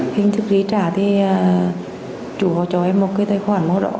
khi thức trí trả thì chủ họ cho em một cái tài khoản màu đỏ